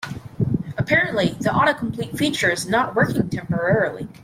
Apparently, the autocomplete feature is not working temporarily.